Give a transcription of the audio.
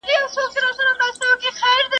په لک ئې نه نيسي، په کک ئې ونيسي.